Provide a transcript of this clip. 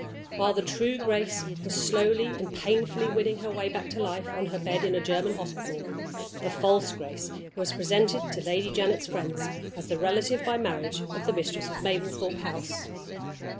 While the true Grace was slowly and painfully winning her way back to life on her bed in a German hospital, the false Grace was presented to Lady Janet's friends as the relative by marriage of the Mistress of Mablethorpe House.